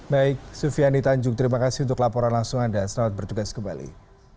baik sufiani tanjung terima kasih untuk laporan langsung anda selamat bertugas kembali